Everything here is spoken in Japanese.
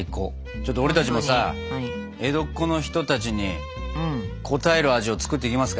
ちょっと俺たちもさ江戸っ子の人たちに応える味を作っていきますか。